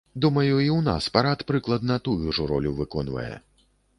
Думаю, і ў нас парад прыкладна тую ж ролю выконвае.